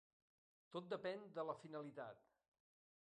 Tot depèn de la finalitat.